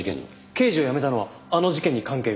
刑事を辞めたのはあの事件に関係が？